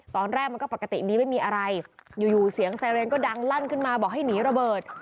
ตอนแรกมันก็ปกติดีไม่มีอะไรอยู่เสียงไซเรนก็ดังลั่นขึ้นมาบอกให้หนีระเบิด